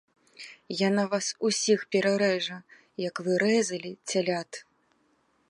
Яна вас усіх перарэжа, як вы рэзалі цялят!